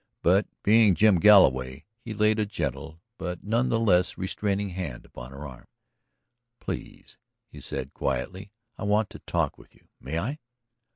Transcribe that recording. But being Jim Galloway, he laid a gentle but none the less restraining hand upon her arm. "Please," he said quietly. "I want to talk with you. May I?"